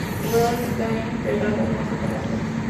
El lugar donde está enterrado no se conoce.